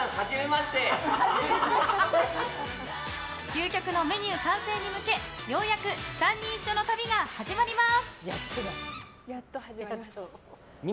究極のメニュー完成に向けようやく３人一緒の旅が始まります。